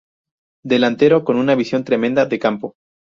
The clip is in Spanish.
Delantero con una visión tremenda de campo.